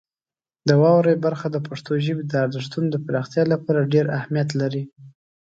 د واورئ برخه د پښتو ژبې د ارزښتونو د پراختیا لپاره ډېر اهمیت لري.